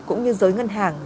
cũng như giới ngân hàng